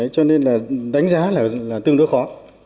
cho nên đánh giá là tương đối khó